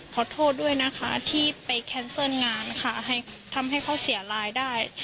ขอโทษด้วยนะคะที่ไปแคนเซิลงานค่ะให้ทำให้เขาเสียรายได้